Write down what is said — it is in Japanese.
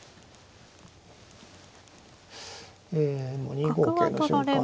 ２五桂の瞬間に。